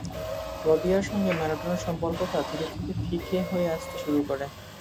ক্লদিয়ার সঙ্গে ম্যারাডোনার সম্পর্কটা ধীরে ধীরে ফিকে হয়ে আসতে শুরু করে।